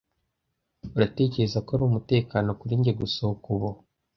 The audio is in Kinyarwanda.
Uratekereza ko ari umutekano kuri njye gusohoka ubu?